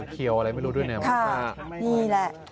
เขียวอะไรไม่รู้ด้วยเนี่ยนี่แหละ